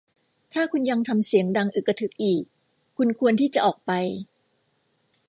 ถ้าคุณยังทำเสียงดังอึกทึกอีก คุณควรที่จะออกไป